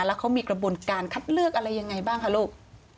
แล้วเขามีกระบวนการคัดเลือกอะไรยังไงบ้างคะลูก